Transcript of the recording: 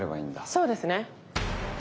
そうですね。